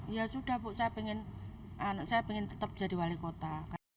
ya sudah bu saya ingin tetap jadi wali kota